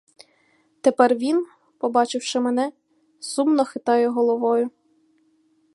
Тепер він, побачивши мене, сумно хитає головою.